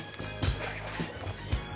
いただきます。